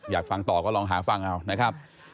อยากฟังต่อก็ลองหาฟังเอานะครับ